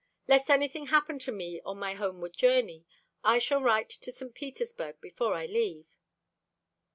Lest anything happen to me on my homeward journey, I shall write to St. Petersburg before I leave."